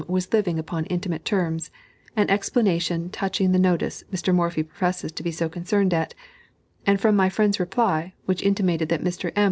was living upon intimate terms, an explanation touching the notice Mr. Morphy professes to be so concerned at; and from my friend's reply, which intimated that Mr. M.